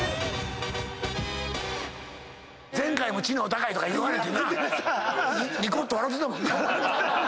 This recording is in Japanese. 前回も「知能高い」とか言われてにこっと笑うてたもんな。